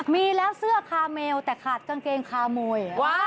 มีแล้วเสื้อคาเมลแต่ขาดกางเกงคามวย